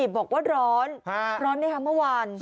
บอกว่าร้อนร้อนไหมคะเมื่อวาน